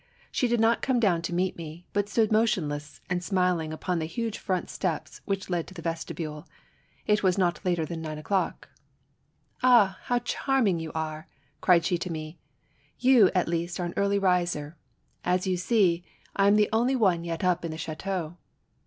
She did not come down to meet me, but stood motionless and smiling upon the huge front steps which lead to the vestibule. It was not later than nine o'clock. " Ah ! how charming you are !" cried she to me. "You, at least, are an early riser! As you see, I am the only one yet up in the chateau."